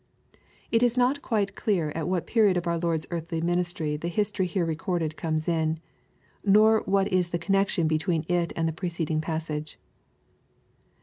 \ It is not quite clear at what period of our Lord's eartUy ministry the histx>ry here recorded comes in, nor what is the connection between it and the preceding passage.